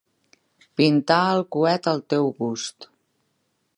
Pintar el coet al teu gust.